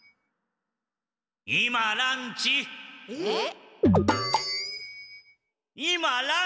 えっ？